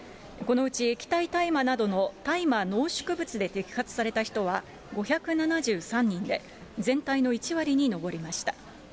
このうち液体大麻などの大麻濃縮物で摘発された人は５７３人で、全体の１割に上りました。